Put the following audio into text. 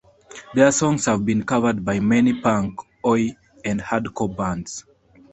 Their songs have been covered by many punk, Oi!, and hardcore bands.